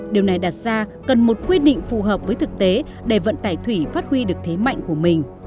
điều này đặt ra cần một quy định phù hợp với thực tế để vận tải thủy phát huy được thế mạnh của mình